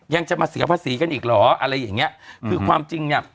ยังจะมาเสียภาษีกันอีกเหรออะไรอย่างเงี้ยคือความจริงเนี้ย